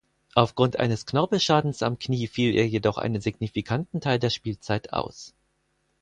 Aufgrund eines Knorpelschadens am Knie fiel er jedoch einen signifikanten Teil der Spielzeit aus.